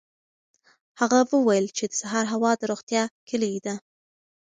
هغه وویل چې د سهار هوا د روغتیا کلي ده.